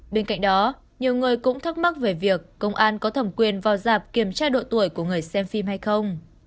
bên cạnh đó nhiều người cũng thắc mắc về việc công an có thẩm quyền vào dạp kiểm tra độ tuổi của người xem phim hay không